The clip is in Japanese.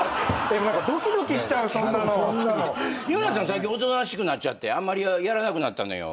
最近おとなしくなっちゃってあんまりやらなくなったのよ